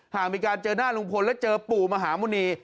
หากมีการเจอหน้าลุงพลและเจอปู่มหาหมุณี